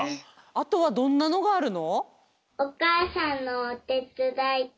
あとはどんなのがあるの？